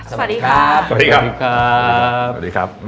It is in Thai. สวัสดีครับ